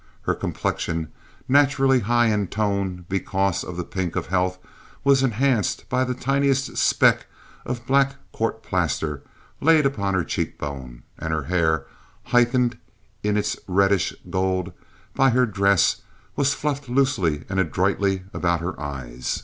Her complexion, naturally high in tone because of the pink of health, was enhanced by the tiniest speck of black court plaster laid upon her cheekbone; and her hair, heightened in its reddish gold by her dress, was fluffed loosely and adroitly about her eyes.